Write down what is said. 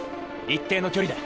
一定の距離で。